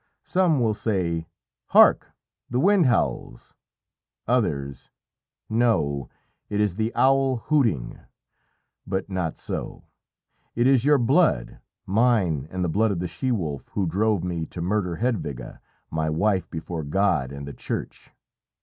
Some will say, "Hark! The wind howls!" others, "No, it is the owl hooting!" But not so; it is your blood, mine and the blood of the she wolf who drove me to murder Hedwige, my wife before God and the Church.